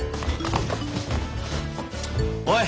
おい。